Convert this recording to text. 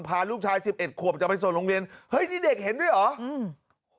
พาลูกชายสิบเอ็ดขวบจะไปส่งโรงเรียนเฮ้ยนี่เด็กเห็นด้วยเหรออืม